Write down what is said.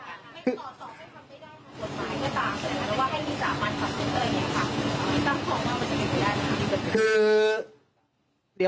คือ